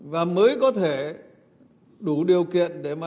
và mới có thể đủ điều kiện để mà